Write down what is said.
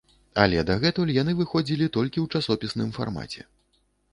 Але дагэтуль яны выходзілі толькі ў часопісным фармаце.